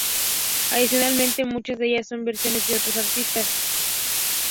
Adicionalmente, muchas de ellas son versiones de otros artistas.